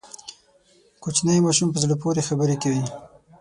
کوچنی ماشوم په زړه پورې خبرې کوي.